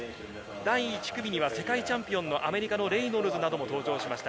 第１組には世界チャンピオンのアメリカ、レイノルズも登場してきました。